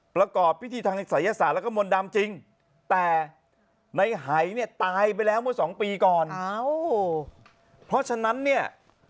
ประกอบวิธีทางศัยศาสตร์และและก็มณ์ดำจริง